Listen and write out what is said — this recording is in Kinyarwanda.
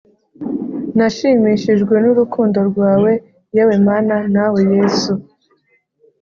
nashimishijwe n’urukundo rwawe, yewe mana nawe yesu